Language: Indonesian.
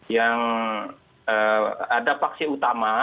yang ada faksi utama